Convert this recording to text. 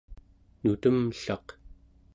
nutemllaq